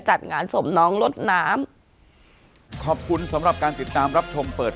จัดงานศพน้องลดน้ำขอบคุณสำหรับการติดตามรับชมเปิด